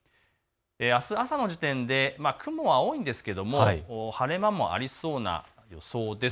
あす朝の時点で雲が多いんですけれども晴れ間もありそうな予想です。